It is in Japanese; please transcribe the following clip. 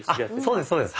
そうですそうです。